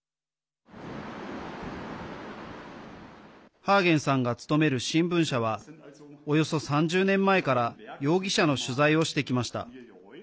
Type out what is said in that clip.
ハーゲンさんが勤める新聞社はおよそ３０年前から容疑者の取材をしてきました。